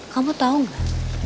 kamu tahu nggak